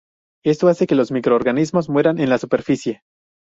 Esto hace que los microorganismos mueran en la superficie.